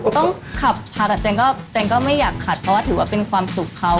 ต้องขับผ่าตัดก็ไม่อยากขัดเพราะว่าถือว่าเป็นความสุขเขา